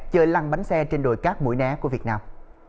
chơi lăng bánh xe trên đồi cát mũi né của việt nam